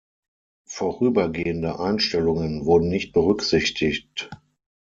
Vorübergehende Einstellungen wurden nicht berücksichtigt.